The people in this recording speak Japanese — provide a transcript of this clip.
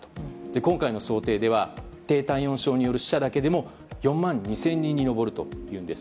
今回の想定では低体温症による死者だけでも４万２０００人に上るというんです。